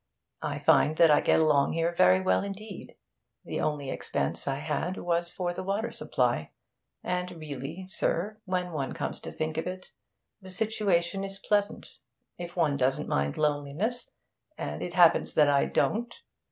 I find that I get along here very well indeed. The only expense I had was for the water supply. And really, sir, when one comes to think of it, the situation is pleasant. If one doesn't mind loneliness and it happens that I don't.